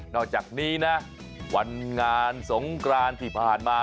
อกจากนี้นะวันงานสงกรานที่ผ่านมา